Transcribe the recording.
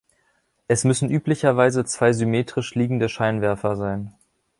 Es müssen üblicherweise zwei symmetrisch liegende Scheinwerfer sein.